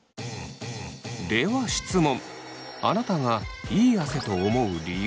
では質問。